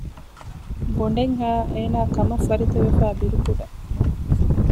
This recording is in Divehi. ބޮނޑެއް ހައި އޭނާ ކަމަށް ފަރިތަވެފައި ބިރުކުޑަ